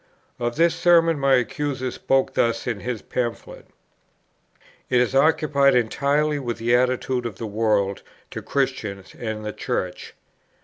Of this Sermon my accuser spoke thus in his Pamphlet: "It is occupied entirely with the attitude of 'the world' to 'Christians' and 'the Church.'